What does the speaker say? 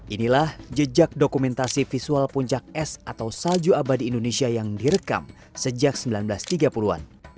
inilah jejak dokumentasi visual puncak es atau salju abadi indonesia yang direkam sejak seribu sembilan ratus tiga puluh an